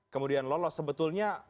kemudian lolos sebetulnya